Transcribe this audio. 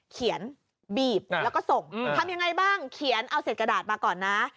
บีบแล้วก็ส่งทำยังไงบ้างเขียนเอาเศษกระดาษมาก่อนนะ